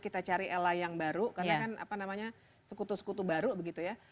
kita cari ella yang baru karena kan apa namanya sekutu sekutu baru begitu ya